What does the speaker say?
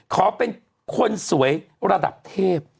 ขอเป็นคนสวยระดับเทพ